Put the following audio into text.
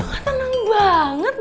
kok tak tenang banget eh